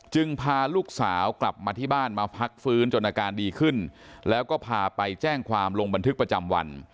พาลูกสาวกลับมาที่บ้านมาพักฟื้นจนอาการดีขึ้นแล้วก็พาไปแจ้งความลงบันทึกประจำวัน